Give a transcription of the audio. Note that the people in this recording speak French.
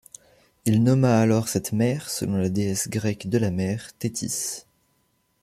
Il nomma alors cette mer selon la déesse grecque de la mer Téthys.